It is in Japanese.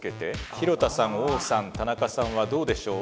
廣田さん王さん田中さんはどうでしょう？